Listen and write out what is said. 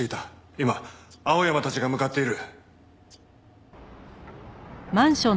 今青山たちが向かっている。